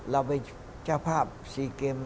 เราไปเจ้าภาพสีเก็ม